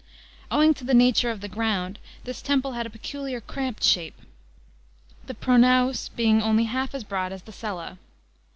Owing to the nature of the ground this temple had a peculiar cramped shape, the pronaos being only half as broad as the cella.